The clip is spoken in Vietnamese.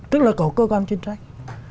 tức là có cơ quan chính sách